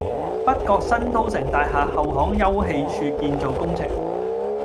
北角新都城大廈後巷休憩處建造工程